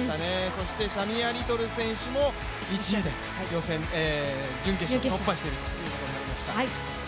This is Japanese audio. そしてシャミア・リトル選手も１位で準決勝突破しているということになりました。